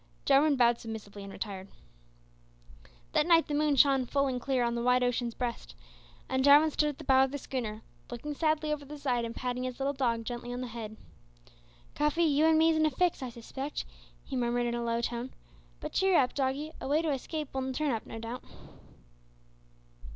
Jarwin bowed submissively and retired. That night the moon shone full and clear on the wide ocean's breast, and Jarwin stood at the bow of the schooner, looking sadly over the side, and patting his little dog gently on the head. "Cuffy, you and me's in a fix, I suspect," he murmured in a low tone; "but cheer up, doggie, a way to escape will turn up no doubt."